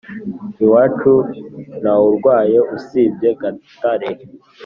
iwacu ntawurwaye usibye gatare